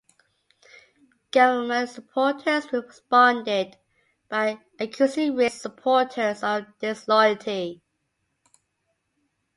Government supporters responded by accusing Rigg's supporters of disloyalty.